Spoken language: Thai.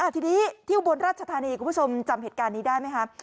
ทีนี้ที่อุบลราชธานีคุณผู้ชมจำเหตุการณ์นี้ได้ไหมครับ